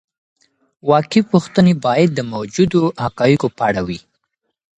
واقعي پوښتنې باید د موجودو حقایقو په اړه وي.